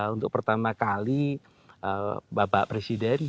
untuk pertama kali bapak presiden